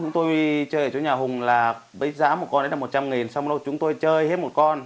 tôi chơi ở chỗ nhà hùng là giá một con là một trăm linh nghìn xong rồi chúng tôi chơi hết một con